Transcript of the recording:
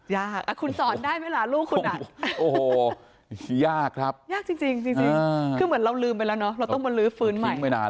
ยากคุณสอนได้ไหมล่ะลูกคุณอ่ะ